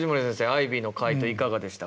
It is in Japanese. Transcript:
アイビーの回答いかがでしたか？